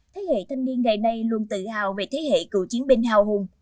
thế hệ thanh niên ngày nay luôn tự hào về thế hệ cựu chiến binh hào hùng